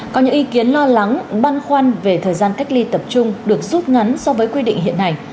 có những ý kiến lo lắng băn khoăn về thời gian cách ly tập trung được rút ngắn so với quy định hiện hành